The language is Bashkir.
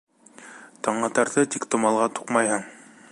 —Таңатарҙы тиктомалға туҡмайһың.